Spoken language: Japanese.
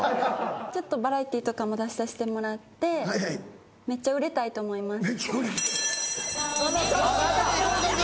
ちょっとバラエティーとかも出させてもらってめっちゃ売れたいと思います。